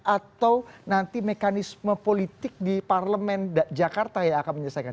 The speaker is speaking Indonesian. atau nanti mekanisme politik di parlemen jakarta yang akan menyelesaikan